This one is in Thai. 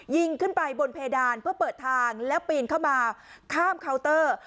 ยิงขึ้นไปบนเพดานเพื่อเปิดทางแล้วปีนเข้ามาข้ามเคาน์เตอร์